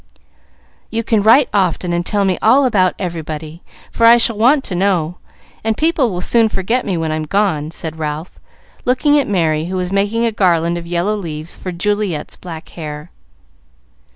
"You can write often, and tell me all about everybody, for I shall want to know, and people will soon forget me when I'm gone," said Ralph, looking at Merry, who was making a garland of yellow leaves for Juliet's black hair.